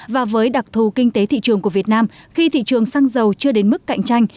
và với đặc thù kinh tế thị trường của việt nam khi thị trường xăng dầu chưa đến mức cạnh tranh